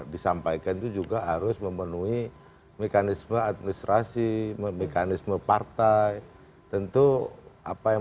disampaikan itu juga harus memenuhi mekanisme administrasi mekanisme partai tentu apa yang